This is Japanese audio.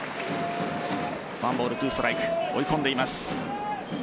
１ボール２ストライク追い込んでいます。